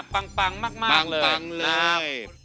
ปังมากเลย